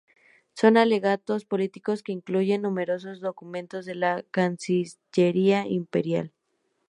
Son alegatos políticos que incluyen numerosos documentos de la cancillería imperial.